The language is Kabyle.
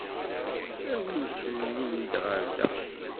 Awimt-ten-id ɣer da.